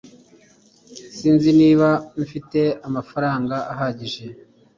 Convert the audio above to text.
Sinzi niba mfite amafaranga ahagije